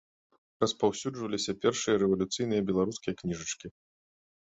Распаўсюджваліся першыя рэвалюцыйныя беларускія кніжачкі.